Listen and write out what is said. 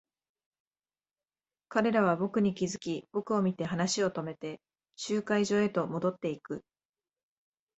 彼らは僕に気づき、僕を見て話を止めて、集会所へと戻っていく。